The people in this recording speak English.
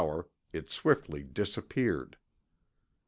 it swiftly disappeared.